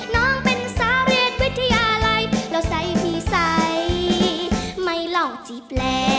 น้องเป็นสาวเรียนวิทยาลัยแล้วใส่พี่ใส่ไม่ลองจีบแล้ว